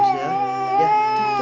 sayang jangan nangis ya